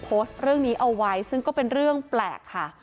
โพสต์เรื่องนี้เอาไว้ซึ่งก็เป็นเรื่องแปลกค่ะ